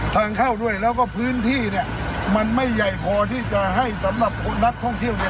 ทางเข้าด้วยแล้วก็พื้นที่เนี่ยมันไม่ใหญ่พอที่จะให้สำหรับนักท่องเที่ยวเนี่ย